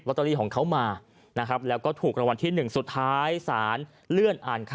เตอรี่ของเขามานะครับแล้วก็ถูกรางวัลที่๑สุดท้ายสารเลื่อนอ่านคำ